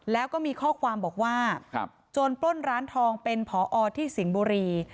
แล้วก็มีข้อความบอกว่าโจรปล้นร้านทองเป็นผอที่สิงห์บุรี